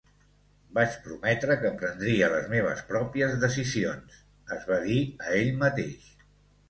"Vaig prometre que prendria les meves pròpies decisions", es va dir a ell mateix.